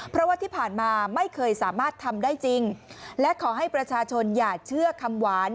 เพราะว่าที่ผ่านมาไม่เคยสามารถทำได้จริงและขอให้ประชาชนอย่าเชื่อคำหวาน